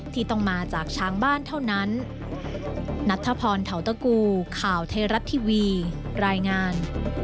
ที่ต้องมาจากช้างบ้านเท่านั้น